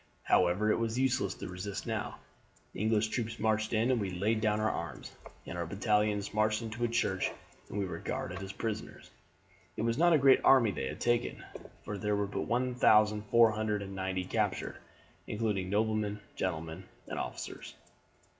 However, it was useless to resist now; the English troops marched in and we laid down our arms, and our battalions marched into a church and were guarded as prisoners. It was not a great army they had taken, for there were but one thousand four hundred and ninety captured, including noblemen, gentlemen, and officers.